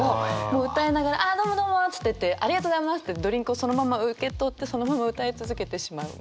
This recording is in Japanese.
もう歌いながらあっ「どうもどうも」つって「ありがとうございます」ってドリンクをそのまま受け取ってそのまま歌い続けてしまう。